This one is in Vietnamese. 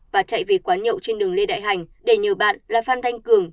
và chạy về quán nhậu trên đường lê đại hành để nhờ bạn là phan thanh cường